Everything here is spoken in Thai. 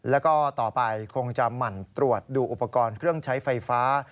แล้วก็ต่อไปคงจะหมั่นตรวจดูอุปกรณ์เครื่องใช้ไฟฟ้า